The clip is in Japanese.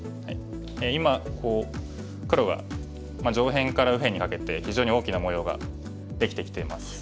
今こう黒が上辺から右辺にかけて非常に大きな模様ができてきています。